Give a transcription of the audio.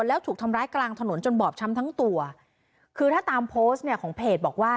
แล้วถูกทำร้ายกลางถนนจนบอบช้ำทั้งตัวคือถ้าตามโพสต์เนี่ยของเพจบอกว่า